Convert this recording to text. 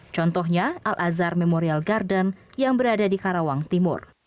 contohnya al azhar memorial garden yang berada di karawang timur